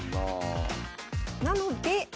なので。